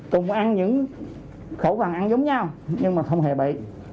cùng ăn những khẩu phần ăn giống nhau nhưng mà không hề bị